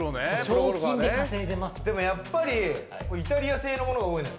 でもやっぱりイタリア製のものが多いのよ。